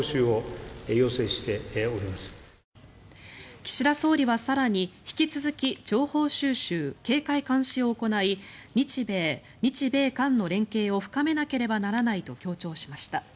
岸田総理は更に引き続き情報招集、警戒監視を行い日米、日米韓の連携を深めなければいけないと強調しました。